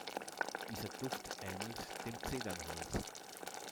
Dieser Duft ähnelt dem Zedernholz.